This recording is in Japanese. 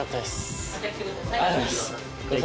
ありがとうございます。